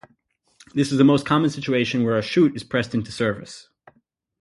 This is the most common situation where a chute is pressed into service.